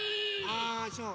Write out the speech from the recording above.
あそう。